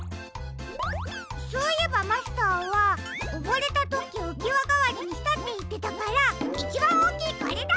そういえばマスターはおぼれたときうきわがわりにしたっていってたからいちばんおおきいこれだ！